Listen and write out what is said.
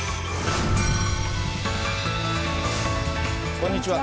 こんにちは。